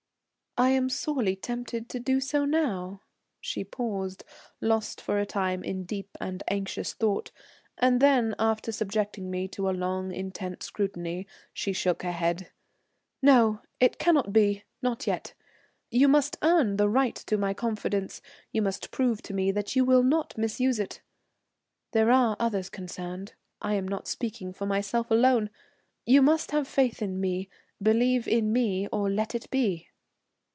"I am sorely tempted to do so now," she paused, lost for a time in deep and anxious thought; and then, after subjecting me to a long and intent scrutiny, she shook her head. "No, it cannot be, not yet. You must earn the right to my confidence, you must prove to me that you will not misuse it. There are others concerned; I am not speaking for myself alone. You must have faith in me, believe in me or let it be."